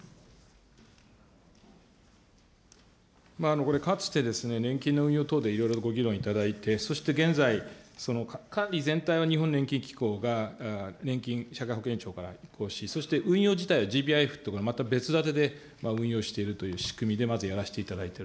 これ、かつてですね、年金の運用等でいろいろご議論いただいて、そして現在、管理全体は日本年金機構が、年金、社会保険庁から移行し、そして運用自体はＧＰＩＦとか、また別建てで運用しているという仕組みでまずやらせていただいている。